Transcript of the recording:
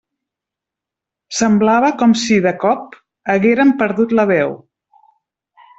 Semblava com si, de colp, hagueren perdut la veu.